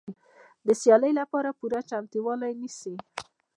د سیالۍ لپاره پوره چمتووالی نیسي.